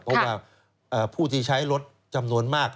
เพราะว่าผู้ที่ใช้รถจำนวนมาก